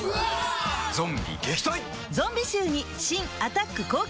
ゾンビ撃退！